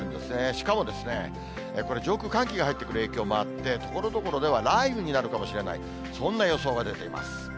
しかも、これ、上空、寒気が入ってくる影響もあって、ところどころでは雷雨になるかもしれない、そんな予想が出ています。